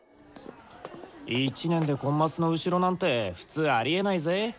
１年でコンマスの後ろなんて普通ありえないぜ。